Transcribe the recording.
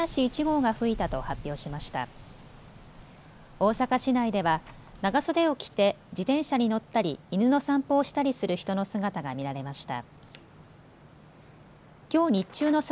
大阪市内では長袖を着て自転車に乗ったり犬の散歩をしたりする人の姿が見られました。